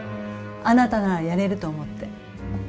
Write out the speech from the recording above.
あなたならやれると思って。